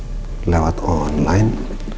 aku gak pernah mesen lewat online